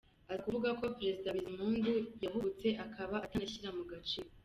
Aza kuvuga ko Perezida Bizimungu yahubutse akaba atanashyira mu gaciro.